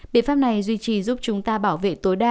biện pháp này duy trì giúp chúng ta bảo vệ tối đa